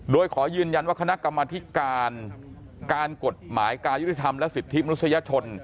โดยขอยืนยันว่าคณะกรรมธิการการกฎหมายการยุติธรรมและสิทธิมนุษยชน